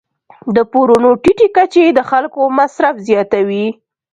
د پورونو ټیټې کچې د خلکو مصرف زیاتوي.